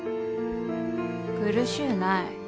苦しうない。